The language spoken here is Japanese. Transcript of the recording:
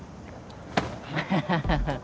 アハハハハ